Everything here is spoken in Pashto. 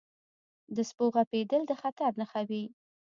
• د سپو غپېدل د خطر نښه وي.